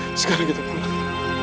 ya saya ingin mencari kamu sekarang